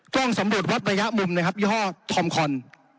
ต้องสำรวจวัดระยะมุมนะครับยี่ห้อทอมคอน